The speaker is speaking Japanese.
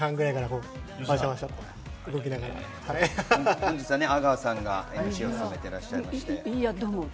本日は阿川さんがＭＣを務めていらっしゃいまして。